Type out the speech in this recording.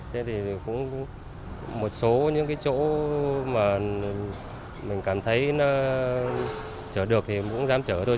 thế thì cũng một số những cái chỗ mà mình cảm thấy nó chở được thì cũng dám trở thôi